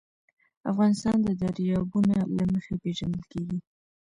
افغانستان د دریابونه له مخې پېژندل کېږي.